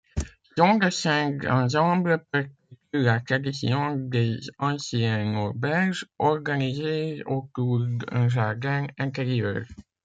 Son dessin d'ensemble perpétue la tradition des anciennes auberges, organisées autour d'un jardin intérieur.